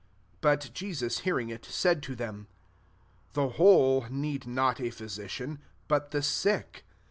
12 But Jesus hearing zV, said [to them], " The whole need not a physician, but the sick.